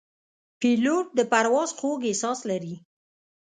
پیلوټ د پرواز خوږ احساس لري.